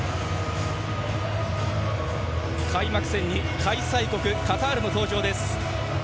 開幕戦に開催国カタールの登場。